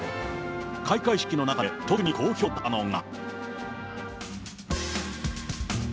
開会式の中で特に好評だったのが。